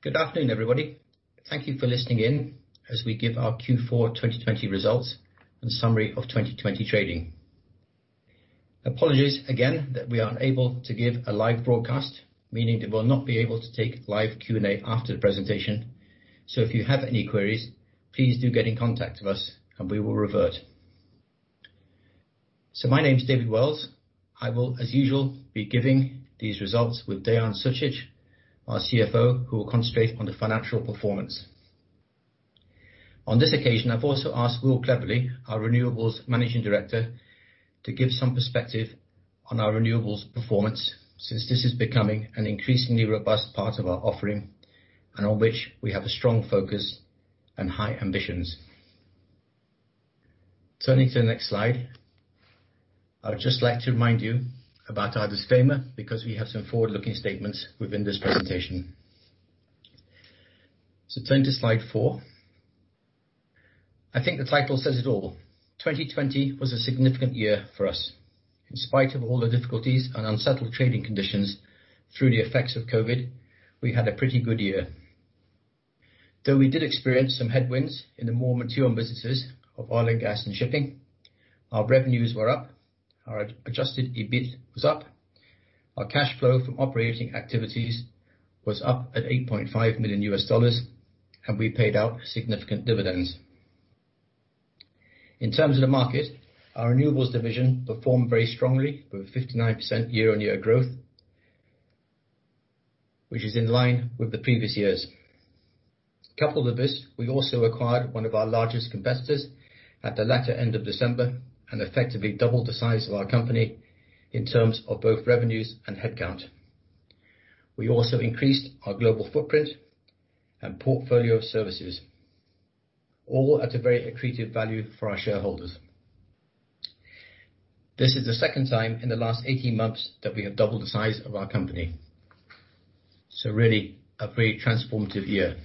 Good afternoon, everybody. Thank you for listening in as we give our Q4 2020 results and summary of 2020 trading. Apologies again that we are unable to give a live broadcast, meaning that we'll not be able to take live Q&A after the presentation. If you have any queries, please do get in contact with us and we will revert. My name's David Wells. I will, as usual, be giving these results with Dean Zuzic, our CFO, who will concentrate on the financial performance. On this occasion, I've also asked Will Cleverly, our Renewables Managing Director, to give some perspective on our renewables performance since this is becoming an increasingly robust part of our offering, and on which we have a strong focus and high ambitions. Turning to the next slide. I would just like to remind you about our disclaimer because we have some forward-looking statements within this presentation. Turn to slide four. I think the title says it all. 2020 was a significant year for us. In spite of all the difficulties and unsettled trading conditions through the effects of COVID, we had a pretty good year. Though we did experience some headwinds in the more mature businesses of oil and gas and shipping, our revenues were up, our adjusted EBIT was up, our cash flow from operating activities was up at $8.5 million, and we paid out significant dividends. In terms of the market, our renewables division performed very strongly with a 59% year-on-year growth, which is in line with the previous years. Coupled with this, we also acquired one of our largest competitors at the latter end of December and effectively doubled the size of our company in terms of both revenues and headcount. We also increased our global footprint and portfolio of services, all at a very accretive value for our shareholders. This is the second time in the last 18 months that we have doubled the size of our company. Really, a very transformative year.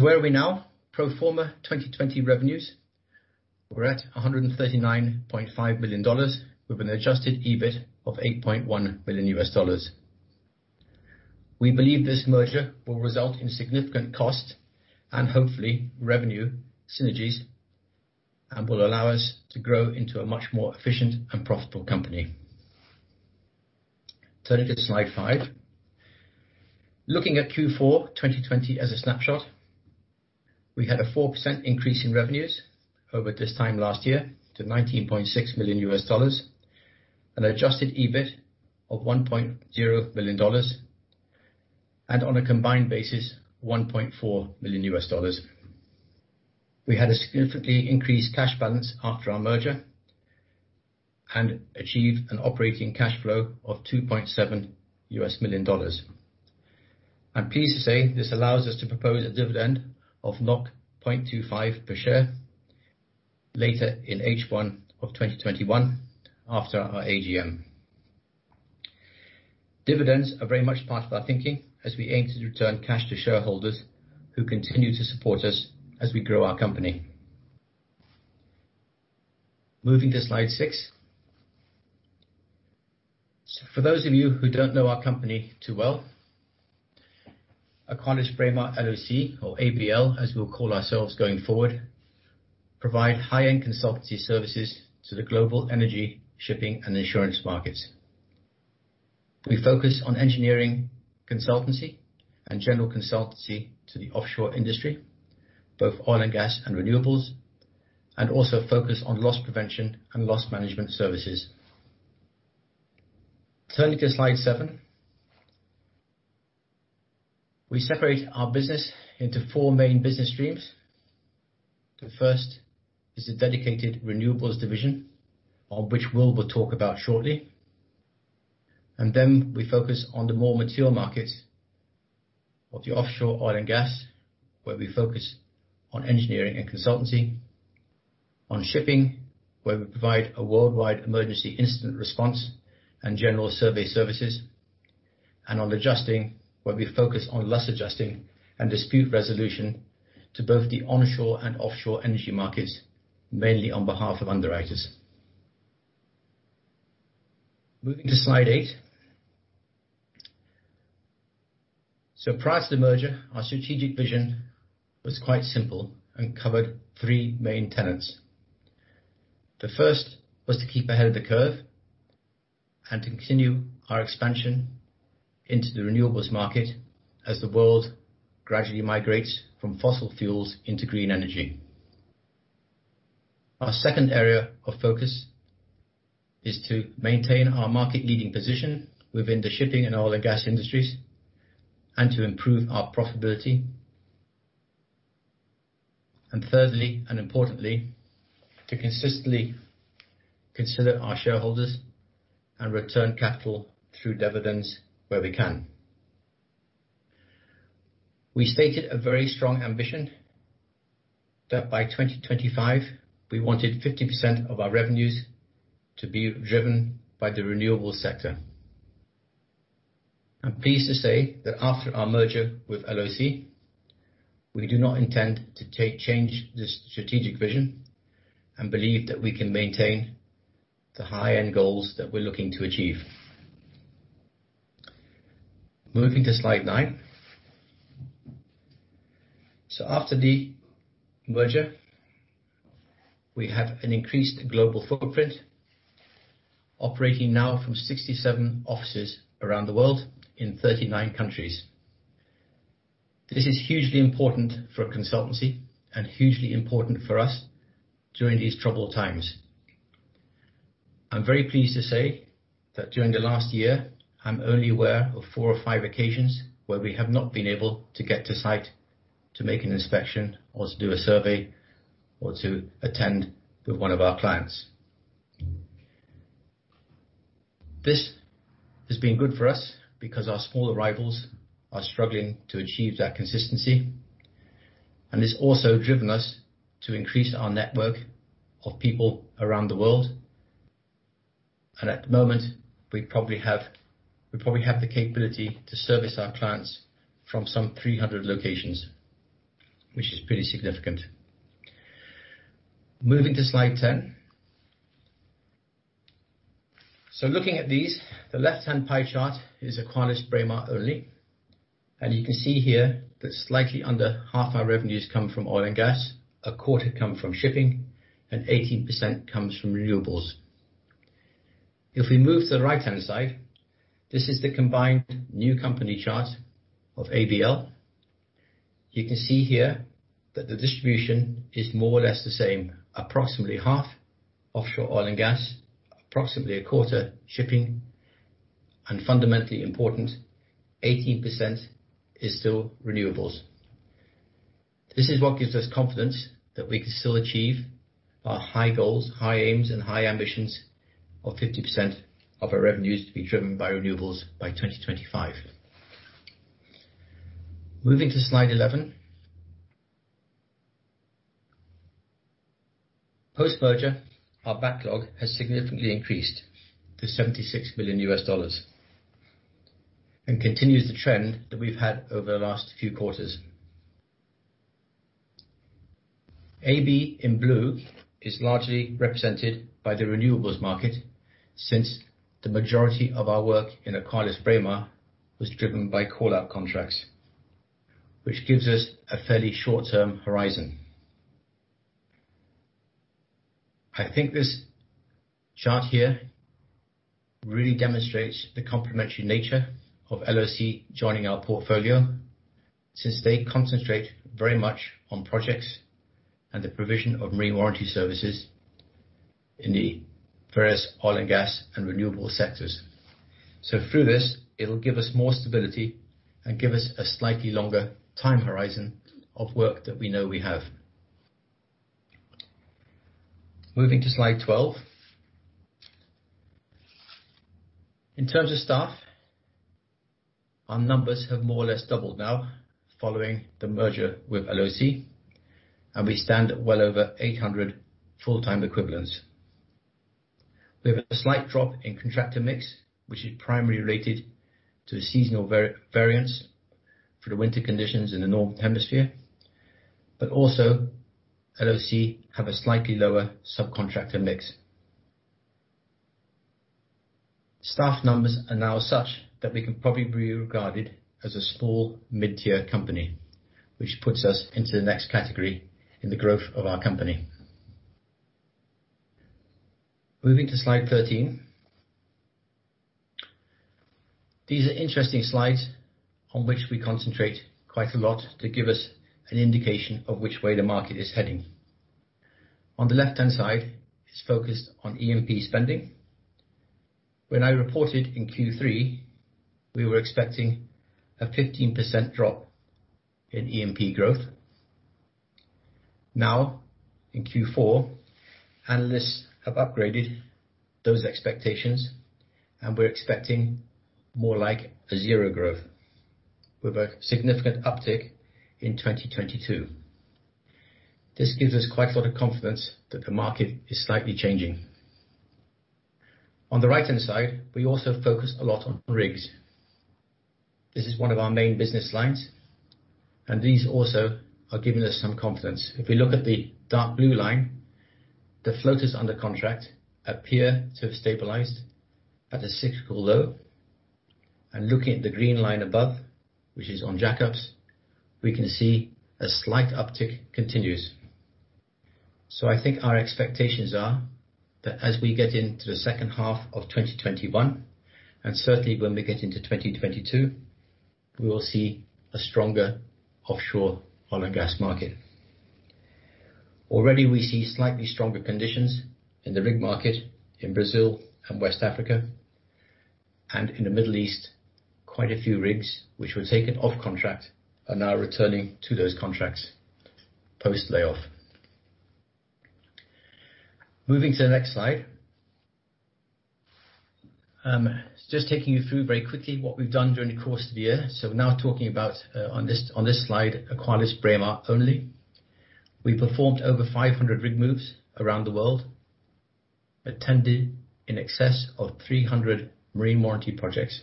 Where are we now? Pro forma 2020 revenues, we're at $139.5 million with an adjusted EBIT of $8.1 million. We believe this merger will result in significant cost and hopefully revenue synergies and will allow us to grow into a much more efficient and profitable company. Turning to slide five. Looking at Q4 2020 as a snapshot, we had a 4% increase in revenues over this time last year to $19.6 million, an adjusted EBIT of $1.0 million, and on a combined basis, $1.4 million. We had a significantly increased cash balance after our merger and achieved an operating cash flow of $2.7 million. I'm pleased to say this allows us to propose a dividend of 0.25 per share later in H1 of 2021 after our AGM. Dividends are very much part of our thinking as we aim to return cash to shareholders who continue to support us as we grow our company. Moving to slide six. For those of you who don't know our company too well, AqualisBraemar LOC or ABL, as we'll call ourselves going forward, provide high-end consultancy services to the global energy, shipping, and insurance markets. We focus on engineering, consultancy, and general consultancy to the offshore industry, both oil and gas and renewables, and also focus on loss prevention and loss management services. Turning to slide seven. We separate our business into four main business streams. The first is a dedicated renewables division, of which Will will talk about shortly. We focus on the more mature markets of the offshore oil and gas, where we focus on engineering and consultancy, on shipping, where we provide a worldwide emergency incident response and general survey services, and on adjusting, where we focus on loss adjusting and dispute resolution to both the onshore and offshore energy markets, mainly on behalf of underwriters. Moving to slide eight. Prior to the merger, our strategic vision was quite simple and covered three main tenets. The first was to keep ahead of the curve and to continue our expansion into the renewables market as the world gradually migrates from fossil fuels into green energy. Our second area of focus is to maintain our market-leading position within the shipping and oil and gas industries and to improve our profitability. Thirdly, and importantly, to consistently consider our shareholders and return capital through dividends where we can. We stated a very strong ambition that by 2025, we wanted 50% of our revenues to be driven by the renewables sector. I'm pleased to say that after our merger with LOC, we do not intend to change the strategic vision and believe that we can maintain the high-end goals that we are looking to achieve. Moving to slide nine. After the merger, we have an increased global footprint, operating now from 67 offices around the world in 39 countries. This is hugely important for a consultancy and hugely important for us during these troubled times. I am very pleased to say that during the last year, I am only aware of four or five occasions where we have not been able to get to site to make an inspection, or to do a survey, or to attend with one of our clients. This has been good for us because our smaller rivals are struggling to achieve that consistency. It has also driven us to increase our network of people around the world. At the moment, we probably have the capability to service our clients from some 300 locations, which is pretty significant. Moving to slide 10. Looking at these, the left-hand pie chart is AqualisBraemar only. You can see here that slightly under half our revenues come from oil and gas, a quarter come from shipping, and 18% comes from renewables. If we move to the right-hand side, this is the combined new company chart of ABL. You can see here that the distribution is more or less the same, approximately half offshore oil and gas, approximately a quarter shipping, and fundamentally important, 18% is still renewables. This is what gives us confidence that we can still achieve our high goals, high aims and high ambitions of 50% of our revenues to be driven by renewables by 2025. Moving to slide 11. Post-merger, our backlog has significantly increased to $76 billion, and continues the trend that we have had over the last few quarters. AB, in blue, is largely represented by the renewables market since the majority of our work in AqualisBraemar was driven by call-out contracts, which gives us a fairly short-term horizon. I think this chart here really demonstrates the complementary nature of LOC joining our portfolio, since they concentrate very much on projects and the provision of marine warranty services in the various oil and gas and renewable sectors. Through this, it will give us more stability and give us a slightly longer time horizon of work that we know we have. Moving to slide 12. In terms of staff, our numbers have more or less doubled now following the merger with LOC, and we stand well over 800 full-time equivalents. We have a slight drop in contractor mix, which is primarily related to the seasonal variance for the winter conditions in the northern hemisphere, but also LOC have a slightly lower subcontractor mix. Staff numbers are now such that we can probably be regarded as a small mid-tier company, which puts us into the next category in the growth of our company. Moving to slide 13. These are interesting slides on which we concentrate quite a lot to give us an indication of which way the market is heading. On the left-hand side is focused on E&P spending. When I reported in Q3, we were expecting a 15% drop in E&P growth. Now in Q4, analysts have upgraded those expectations, and we are expecting more like a zero growth with a significant uptick in 2022. This gives us quite a lot of confidence that the market is slightly changing. On the right-hand side, we also focus a lot on rigs. This is one of our main business lines, and these also are giving us some confidence. If we look at the dark blue line, the floaters under contract appear to have stabilized at a cyclical low. Looking at the green line above, which is on jack-ups, we can see a slight uptick continues. I think our expectations are that as we get into the second half of 2021, and certainly when we get into 2022, we will see a stronger offshore oil and gas market. Already we see slightly stronger conditions in the rig market in Brazil and West Africa. In the Middle East, quite a few rigs which were taken off contract are now returning to those contracts post-layoff. Moving to the next slide. Just taking you through very quickly what we have done during the course of the year. We are now talking about, on this slide, AqualisBraemar only. We performed over 500 rig moves around the world. Attended in excess of 300 marine warranty projects,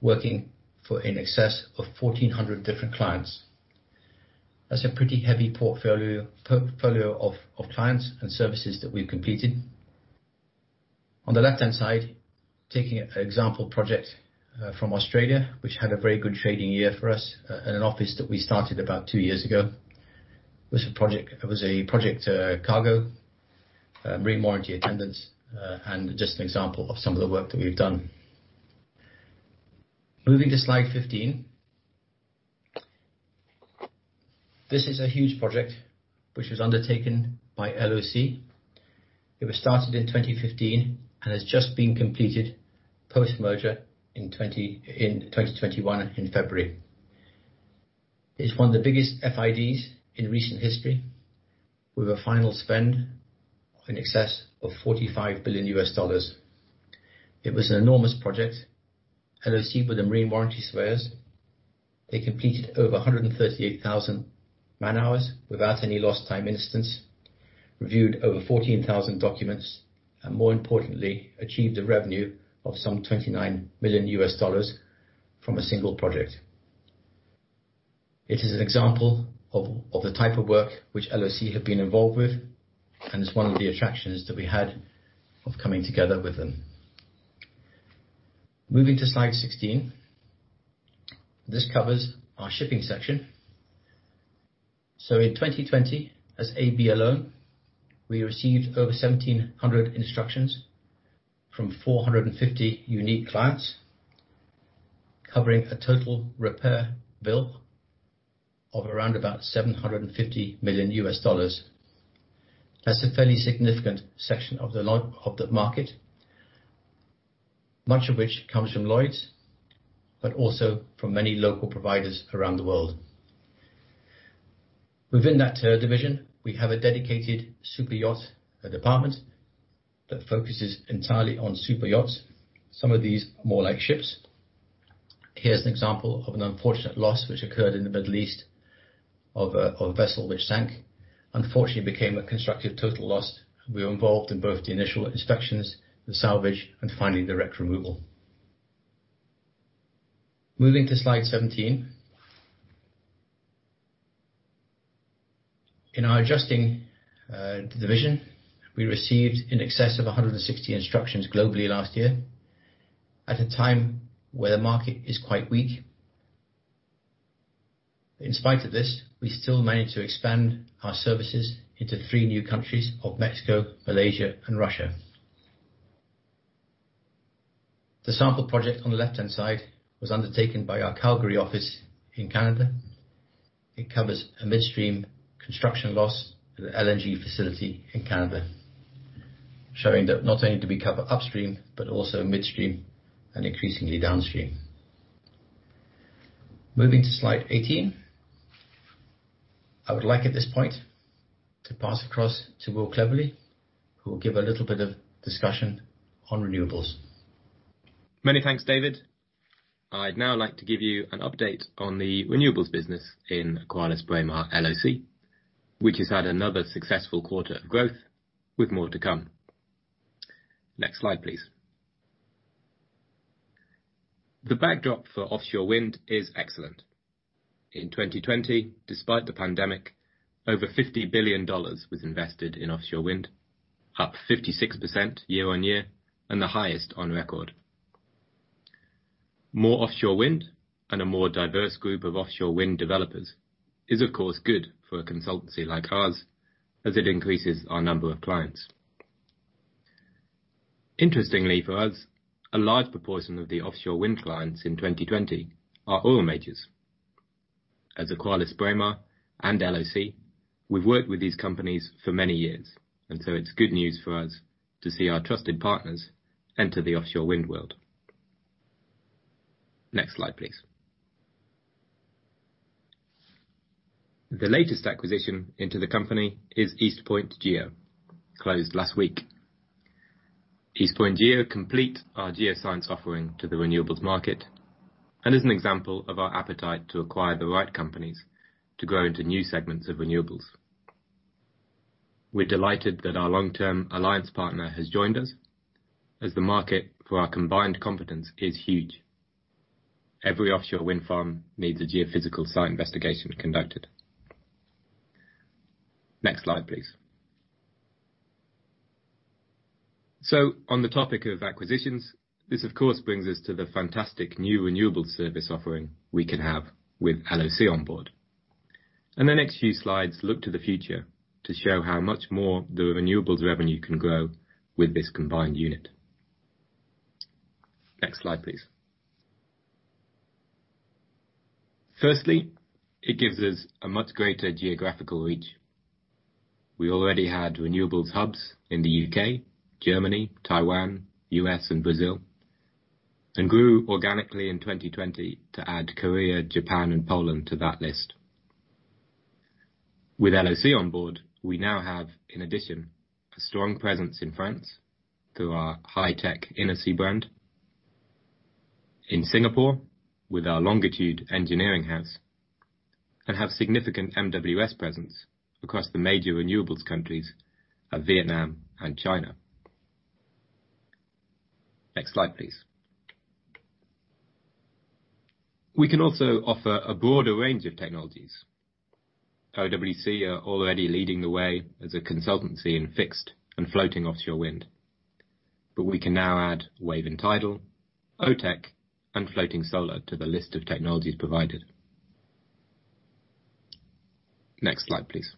working for in excess of 1,400 different clients. That's a pretty heavy portfolio of clients and services that we've completed. On the left-hand side, taking an example project from Australia, which had a very good trading year for us, and an office that we started about two years ago. It was a project cargo, marine warranty attendance, and just an example of some of the work that we've done. Moving to slide 15. This is a huge project which was undertaken by LOC. It was started in 2015 and has just been completed post-merger in 2021 in February. It is one of the biggest FIDs in recent history with a final spend of in excess of $45 billion. It was an enormous project. LOC were the marine warranty surveyors. They completed over 138,000 man-hours without any lost time instance, reviewed over 14,000 documents, and more importantly, achieved a revenue of some $29 million from a single project. It is an example of the type of work which LOC have been involved with, it is one of the attractions that we had of coming together with them. Moving to slide 16. This covers our shipping section. In 2020, as AB alone, we received over 1,700 instructions from 450 unique clients, covering a total repair bill of around about $750 million. That's a fairly significant section of the market, much of which comes from Lloyd's, but also from many local providers around the world. Within that division, we have a dedicated superyacht department that focuses entirely on superyachts. Some of these are more like ships. Here's an example of an unfortunate loss which occurred in the Middle East of a vessel which sank. Unfortunately, became a constructive total loss. We were involved in both the initial inspections, the salvage, and finally, direct removal. Moving to slide 17. In our adjusting division, we received in excess of 160 instructions globally last year at a time where the market is quite weak. In spite of this, we still managed to expand our services into three new countries of Mexico, Malaysia, and Russia. The sample project on the left-hand side was undertaken by our Calgary office in Canada. It covers a midstream construction loss at an LNG facility in Canada, showing that not only do we cover upstream, but also midstream and increasingly downstream. Moving to slide 18. I would like, at this point, to pass across to Will Cleverly, who will give a little bit of discussion on renewables. Many thanks, David. I'd now like to give you an update on the renewables business in AqualisBraemar LOC, which has had another successful quarter of growth with more to come. Next slide, please. The backdrop for offshore wind is excellent. In 2020, despite the pandemic, over $50 billion was invested in offshore wind, up 56% year-on-year and the highest on record. More offshore wind and a more diverse group of offshore wind developers is, of course, good for a consultancy like ours as it increases our number of clients. Interestingly for us, a large proportion of the offshore wind clients in 2020 are oil majors. As AqualisBraemar and LOC, we've worked with these companies for many years, and so it's good news for us to see our trusted partners enter the offshore wind world. Next slide, please. The latest acquisition into the company is East Point Geo, closed last week. East Point Geo complete our geoscience offering to the renewables market and is an example of our appetite to acquire the right companies to grow into new segments of renewables. We're delighted that our long-term alliance partner has joined us as the market for our combined competence is huge. Every offshore wind farm needs a geophysical site investigation conducted. Next slide, please. On the topic of acquisitions, this of course brings us to the fantastic new renewable service offering we can have with LOC on board. The next few slides look to the future to show how much more the renewables revenue can grow with this combined unit. Next slide, please. Firstly, it gives us a much greater geographical reach. We already had renewables hubs in the U.K., Germany, Taiwan, U.S., and Brazil, and grew organically in 2020 to add Korea, Japan, and Poland to that list. With LOC on board, we now have, in addition, a strong presence in France through our high-tech InnoSea brand in Singapore with our Longitude Engineering house, and have significant MWS presence across the major renewables countries of Vietnam and China. Next slide, please. We can also offer a broader range of technologies. OWC are already leading the way as a consultancy in fixed and floating offshore wind. We can now add Wave & Tidal, OTEC, and floating solar to the list of technologies provided. Next slide, please.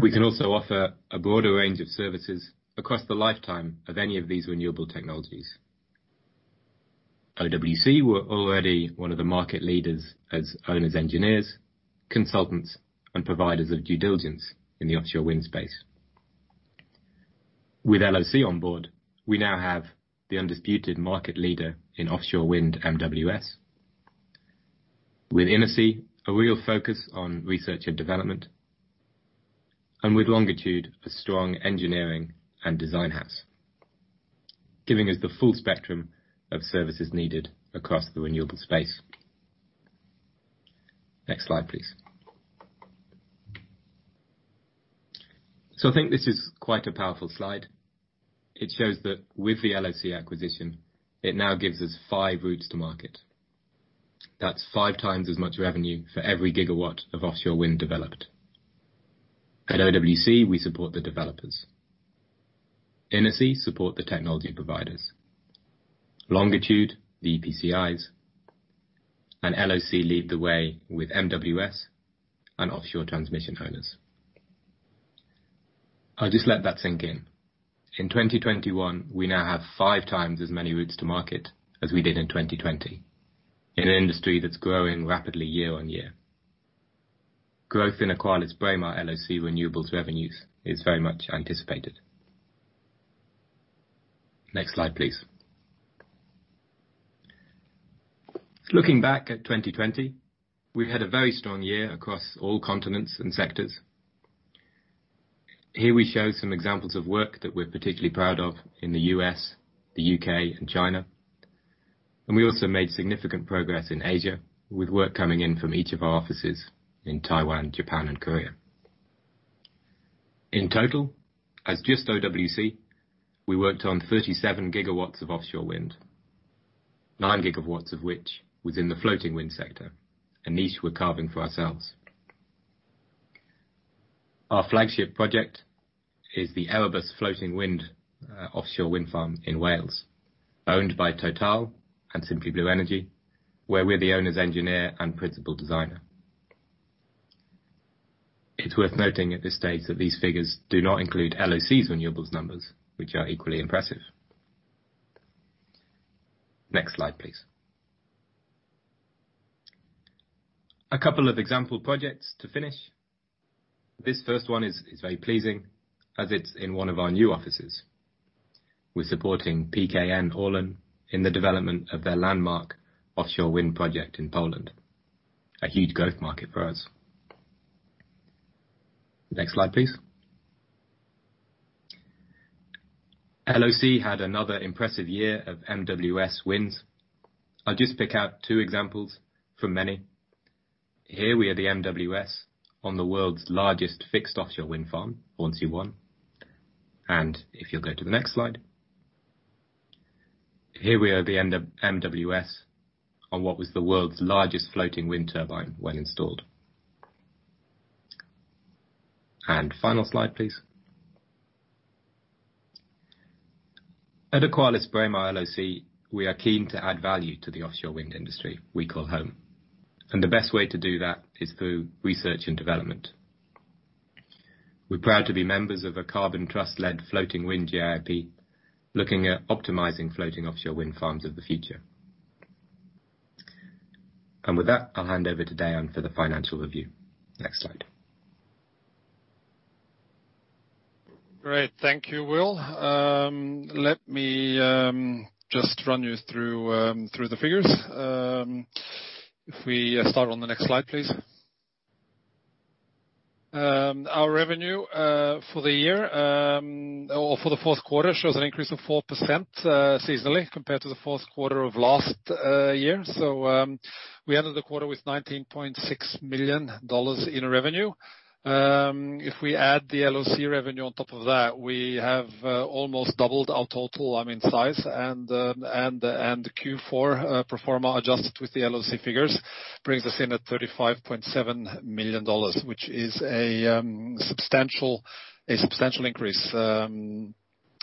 We can also offer a broader range of services across the lifetime of any of these renewable technologies. OWC were already one of the market leaders as owners engineers, consultants, and providers of due diligence in the offshore wind space. With LOC on board, we now have the undisputed market leader in offshore wind MWS, with InnoSea, a real focus on research and development, and with Longitude, a strong engineering and design house, giving us the full spectrum of services needed across the renewable space. Next slide, please. I think this is quite a powerful slide. It shows that with the LOC acquisition, it now gives us five routes to market. That's five times as much revenue for every gigawatt of offshore wind developed. At OWC, we support the developers. InnoSea support the technology providers. Longitude, the EPCIs, and LOC lead the way with MWS and offshore transmission owners. I'll just let that sink in. In 2021, we now have five times as many routes to market as we did in 2020, in an industry that's growing rapidly year on year. Growth in AqualisBraemar LOC renewables revenues is very much anticipated. Next slide, please. Looking back at 2020, we had a very strong year across all continents and sectors. Here we show some examples of work that we're particularly proud of in the U.S., the U.K., and China. We also made significant progress in Asia, with work coming in from each of our offices in Taiwan, Japan, and Korea. In total, as just OWC, we worked on 37 GW of offshore wind, 9 GW of which was in the floating wind sector, a niche we're carving for ourselves. Our flagship project is the Erebus floating wind offshore wind farm in Wales, owned by Total and Simply Blue Energy, where we're the owner's engineer and principal designer. It's worth noting at this stage that these figures do not include LOC's renewables numbers, which are equally impressive. Next slide, please. A couple of example projects to finish. This first one is very pleasing as it's in one of our new offices. We're supporting PKN Orlen in the development of their landmark offshore wind project in Poland, a huge growth market for us. Next slide, please. LOC had another impressive year of MWS wins. I'll just pick out two examples from many. Here we are the MWS on the world's largest fixed offshore wind farm, Hornsea 1. If you'll go to the next slide, here we are the MWS on what was the world's largest floating wind turbine when installed. Final slide, please. At AqualisBraemar LOC, we are keen to add value to the offshore wind industry we call home, and the best way to do that is through research and development. We're proud to be members of a Carbon Trust-led Floating Wind JIP, looking at optimizing floating offshore wind farms of the future. With that, I'll hand over to Dean for the financial review. Next slide. Great. Thank you, Will. Let me just run you through the figures. We start on the next slide, please. Our revenue for the year or for the fourth quarter shows an increase of 4% seasonally compared to the fourth quarter of last year. We ended the quarter with $19.6 million in revenue. We add the LOC revenue on top of that, we have almost doubled our total size and the Q4 pro forma adjusted with the LOC figures brings us in at $35.7 million, which is a substantial increase,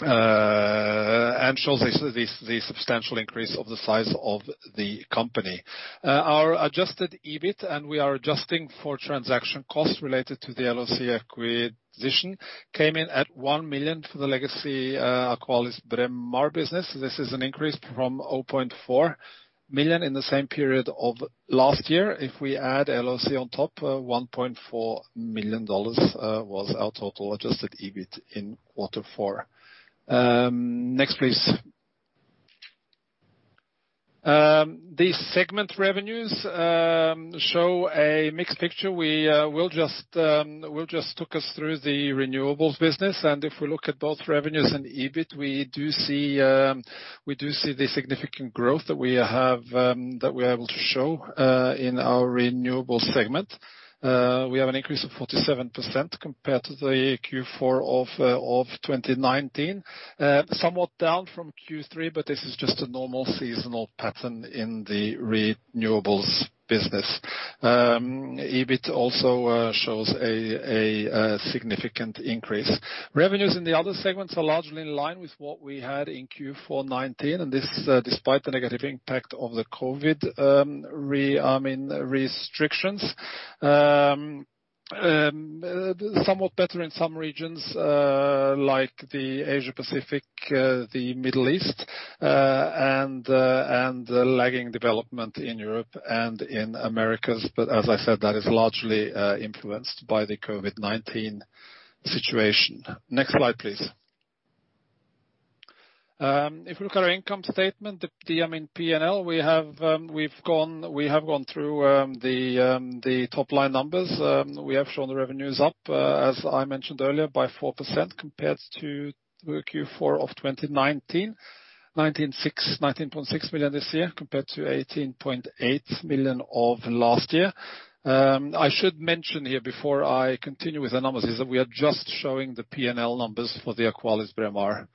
and shows the substantial increase of the size of the company. Our adjusted EBIT, and we are adjusting for transaction costs related to the LOC acquisition, came in at $1 million for the legacy AqualisBraemar business. This is an increase from $0.4 million in the same period of last year. If we add LOC on top of $1.4 million, was our total adjusted EBIT in quarter four. Next, please. These segment revenues show a mixed picture. We will just took us through the renewables business. If we look at both revenues and EBIT, we do see the significant growth that we are able to show in our renewables segment. We have an increase of 47% compared to the Q4 of 2019. Somewhat down from Q3, this is just a normal seasonal pattern in the renewables business. EBIT also shows a significant increase. Revenues in the other segments are largely in line with what we had in Q4 2019, this despite the negative impact of the COVID restrictions. Somewhat better in some regions like the Asia-Pacific, the Middle East and the lagging development in Europe and in Americas. As I said, that is largely influenced by the COVID-19 situation. Next slide, please. If we look at our income statement, the P&L, we have gone through the top line numbers. We have shown the revenues up, as I mentioned earlier, by 4% compared to Q4 of 2019. $19.6 million this year compared to $18.8 million of last year. I should mention here before I continue with the numbers, is that we are just showing the P&L numbers for the AqualisBraemar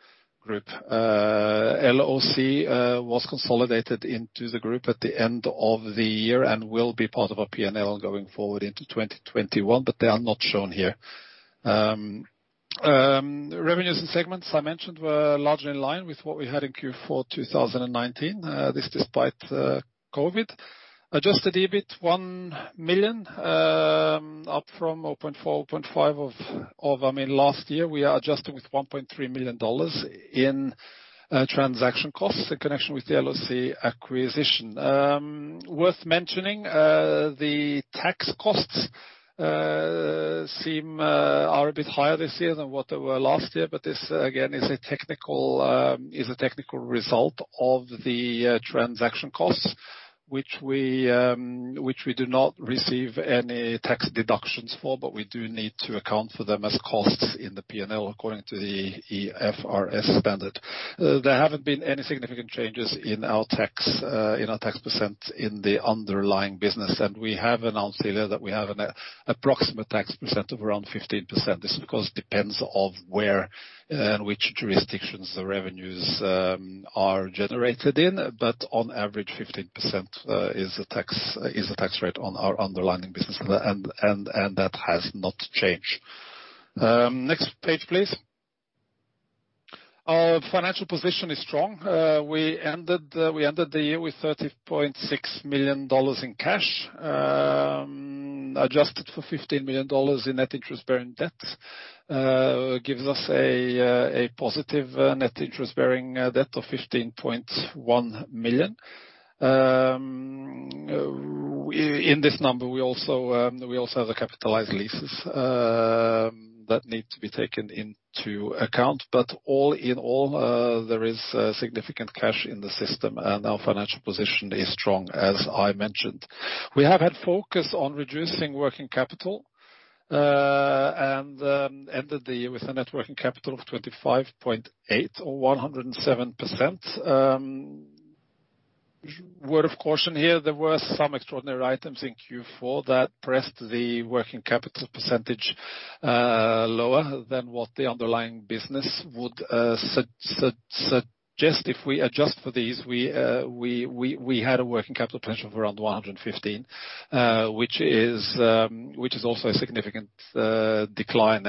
group. LOC was consolidated into the group at the end of the year and will be part of our P&L going forward into 2021, but they are not shown here. Revenues and segments I mentioned were largely in line with what we had in Q4 2019. This despite COVID. Adjusted EBIT, $1 million up from $0.4 million, $0.5 million of last year. We are adjusting with $1.3 million in transaction costs in connection with the LOC acquisition. Worth mentioning, the tax costs are a bit higher this year than what they were last year, but this again is a technical result of the transaction costs, which we do not receive any tax deductions for, but we do need to account for them as costs in the P&L according to the IFRS standard. There haven't been any significant changes in our tax percent in the underlying business. We have announced earlier that we have an approximate tax percent of around 15%. This, of course, depends of where and which jurisdictions the revenues are generated in. On average, 15% is the tax rate on our underlying business, and that has not changed. Next page, please. Our financial position is strong. We ended the year with $30.6 million in cash, adjusted for $15 million in net interest-bearing debt, gives us a positive net interest-bearing debt of $15.1 million. In this number, we also have the capitalized leases that need to be taken into account. All in all, there is significant cash in the system, and our financial position is strong, as I mentioned. We have had focus on reducing working capital and ended the year with a net working capital of 25.8% or 107%. Word of caution here, there were some extraordinary items in Q4 that pressed the working capital percentage lower than what the underlying business would suggest. If we adjust for these, we had a working capital percentage of around 115%, which is also a significant decline.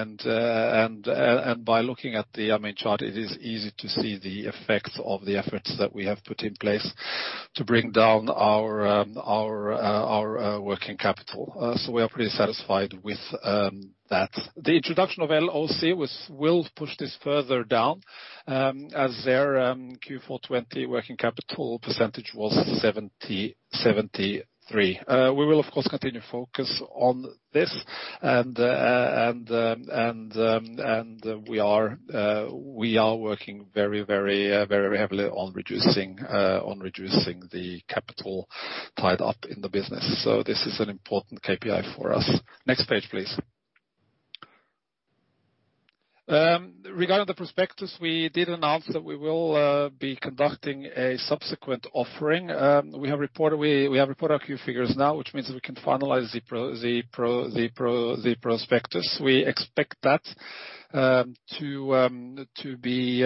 By looking at the main chart, it is easy to see the effect of the efforts that we have put in place to bring down our working capital. We are pretty satisfied with that. The introduction of LOC will push this further down, as their Q4 2020 working capital percentage was 73%. We will, of course, continue to focus on this, and we are working very heavily on reducing the capital tied up in the business. This is an important KPI for us. Next page, please. Regarding the prospectus, we did announce that we will be conducting a subsequent offering. We have reported our Q figures now, which means that we can finalize the prospectus. We expect that to be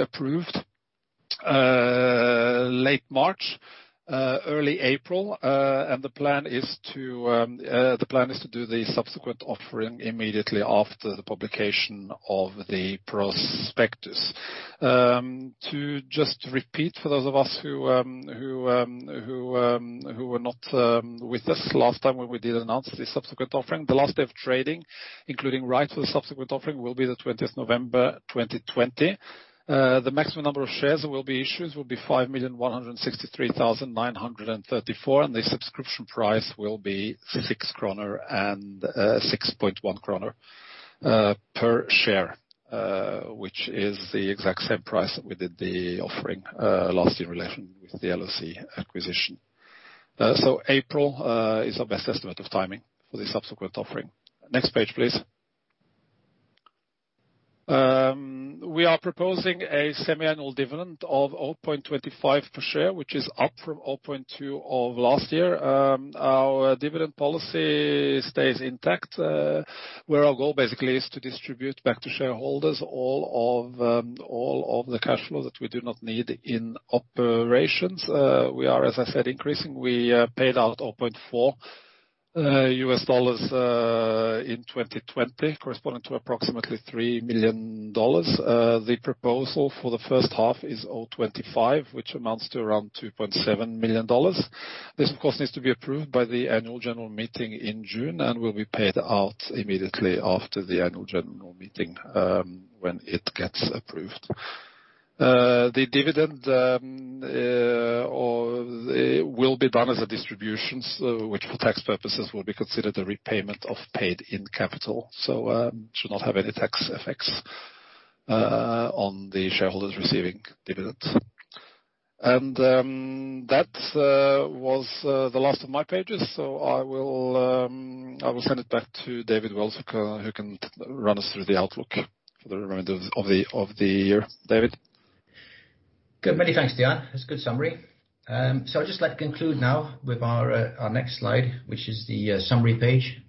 approved late March, early April. The plan is to do the subsequent offering immediately after the publication of the prospectus. To just repeat for those of us who were not with us last time when we did announce the subsequent offering. The last day of trading, including right to the subsequent offering, will be the 20th November 2020. The maximum number of shares that will be issued will be 5,163,934, and the subscription price will be 6.1 kroner per share which is the exact same price that we did the offering last year in relation with the LOC acquisition. April is our best estimate of timing for the subsequent offering. Next page, please. We are proposing a semiannual dividend of 0.25 per share, which is up from 0.2 of last year. Our dividend policy stays intact, where our goal basically is to distribute back to shareholders all of the cash flow that we do not need in operations. We are, as I said, increasing. We paid out NOK 0.4 in 2020, corresponding to approximately $3 million. The proposal for the first half is 0.25, which amounts to around $2.7 million. This, of course, needs to be approved by the annual general meeting in June and will be paid out immediately after the annual general meeting, when it gets approved. The dividend will be done as a distribution, which for tax purposes, will be considered a repayment of paid-in capital. Should not have any tax effects on the shareholders receiving dividends. That was the last of my pages. I will send it back to David Wells who can run us through the outlook for the remainder of the year. David? Good. Many thanks, Dean. That's a good summary. I'd just like to conclude now with our next slide, which is the summary page.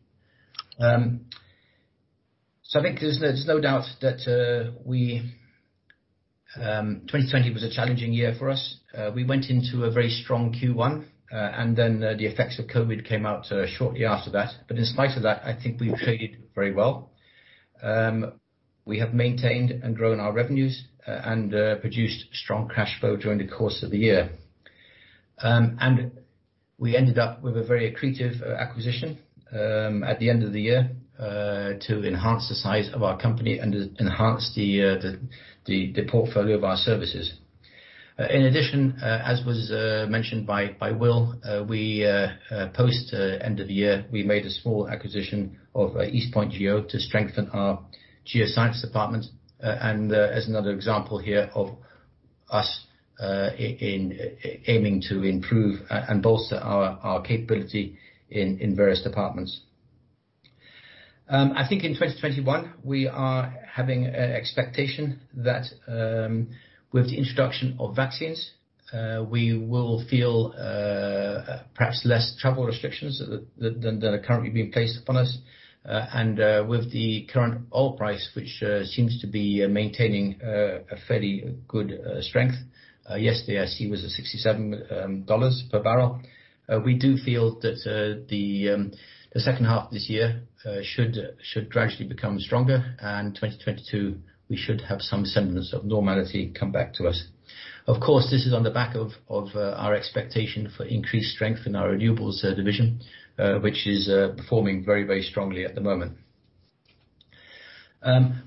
I think there's no doubt that 2020 was a challenging year for us. We went into a very strong Q1, and then, the effects of COVID came out shortly after that. In spite of that, I think we've traded very well. We have maintained and grown our revenues and produced strong cash flow during the course of the year. We ended up with a very accretive acquisition at the end of the year to enhance the size of our company and enhance the portfolio of our services. In addition, as was mentioned by Will, post end of the year, we made a small acquisition of East Point Geo to strengthen our geoscience department. As another example here of us aiming to improve and bolster our capability in various departments. I think in 2021, we are having an expectation that with the introduction of vaccines, we will feel perhaps less travel restrictions than are currently being placed upon us. With the current oil price, which seems to be maintaining a fairly good strength. Yesterday I see it was at $67 per barrel. We do feel that the second half of this year should gradually become stronger, and 2022, we should have some semblance of normality come back to us. Of course, this is on the back of our expectation for increased strength in our renewables division, which is performing very strongly at the moment.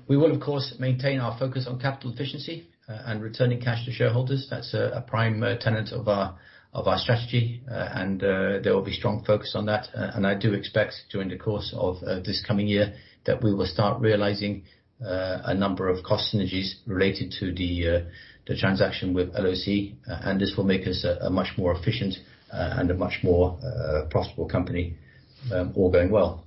We will of course maintain our focus on capital efficiency and returning cash to shareholders. That's a prime tenet of our strategy, and there will be strong focus on that. I do expect during the course of this coming year that we will start realizing a number of cost synergies related to the transaction with LOC, and this will make us a much more efficient and a much more profitable company, all going well.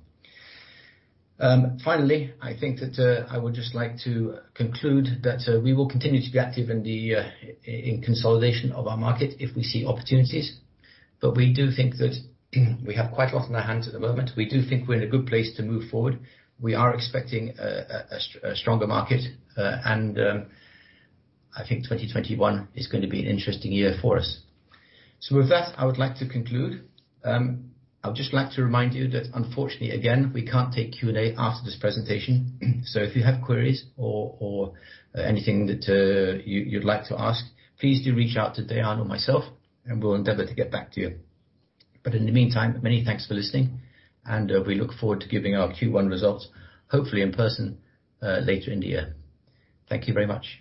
I think that I would just like to conclude that we will continue to be active in consolidation of our market if we see opportunities, but we do think that we have quite a lot on our hands at the moment. We do think we're in a good place to move forward. We are expecting a stronger market, and I think 2021 is going to be an interesting year for us. With that, I would like to conclude. I would just like to remind you that unfortunately again, we can't take Q&A after this presentation. If you have queries or anything that you'd like to ask, please do reach out to Dean or myself, and we'll endeavor to get back to you. In the meantime, many thanks for listening, and we look forward to giving our Q1 results, hopefully in person, later in the year. Thank you very much.